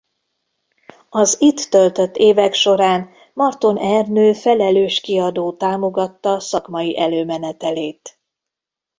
Az itt töltött évek során Marton Ernő felelős kiadó támogatta szakmai előmenetelét.